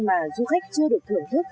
mà du khách chưa được thưởng thức